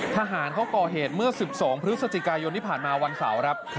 ทหารเขาก่อเหตุเมื่อ๑๒พฤศจิกายนที่ผ่านมาวันเสาร์ครับ